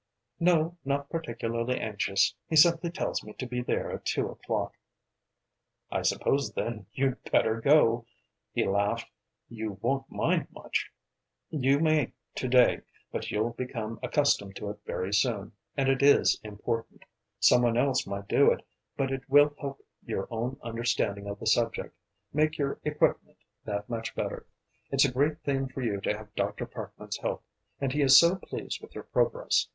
"No, not particularly anxious; he simply tells me to be there at two o'clock." "I suppose then you'd better go," he laughed. "You won't mind much. You may to day, but you'll become accustomed to it very soon. And it is important. Some one else might do it, but it will help your own understanding of the subject, make your equipment that much better. It's a great thing for you to have Dr. Parkman's help. And he is so pleased with your progress.